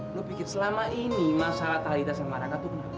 coba lo pikir selama ini masalah talitha sama raka itu kenapa